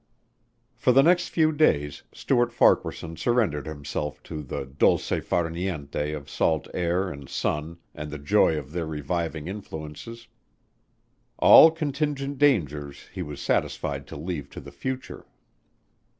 For the next few days Stuart Farquaharson surrendered himself to the dolce far niente of salt air and sun and the joy of their reviving influences. All contingent dangers he was satisfied to leave to the future.